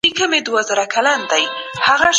بریالی څېړونکی باید ډېر کتابونه ولولي.